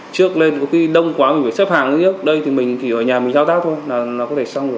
trước lên có khi đông quá mình phải xếp hàng đây thì mình chỉ ở nhà mình thao tác thôi là nó có thể xong rồi